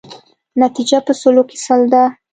نتیجه په سلو کې سل ده.